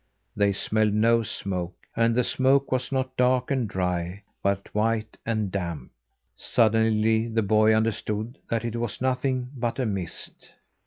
They smelled no smoke; and the smoke was not dark and dry, but white and damp. Suddenly the boy understood that it was nothing but a mist.